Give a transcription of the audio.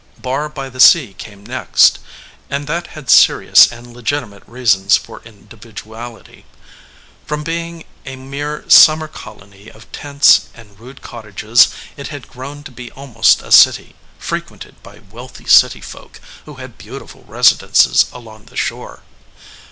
Barr by the Sea came next, and that had serious and legitimate reasons for individuality. From being a mere summer colony of tents and rude cottages it had grown to be almost a city, fre quented by wealthy city folk, who had beautiful residences along the shore.